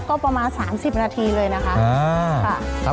ก็ประมาณ๓๐นาทีเลยนะคะ